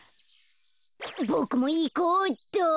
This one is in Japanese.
ボクもいこうっと。